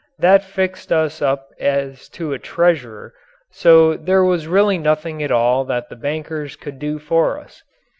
That fixed us up as to a treasurer, so there was really nothing at all that the bankers could do for us.